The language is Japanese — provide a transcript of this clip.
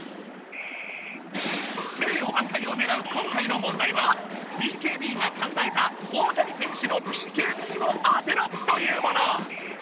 名誉ばん回をねらう今回の問題はＢＫＢが考えた大谷選手の「ＢＫＢ」を当てろ！というもの。